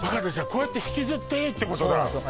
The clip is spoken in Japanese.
こうやって引きずっていいってことだ